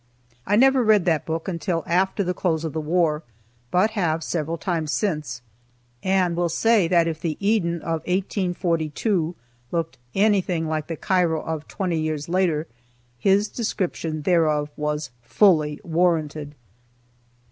I never read that book until after the close of the war, but have several times since, and will say that if the Eden of 1842 looked anything like the Cairo of twenty years later, his description thereof was fully warranted.